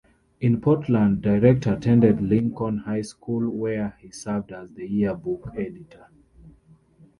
In Portland, Director attended Lincoln High School where he served as the yearbook editor.